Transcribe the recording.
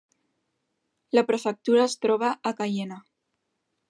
La prefectura es troba a Caiena.